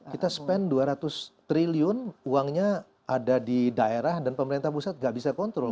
kita spend dua ratus triliun uangnya ada di daerah dan pemerintah pusat nggak bisa kontrol